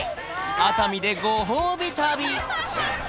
熱海でご褒美旅